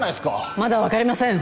まだ分かりません。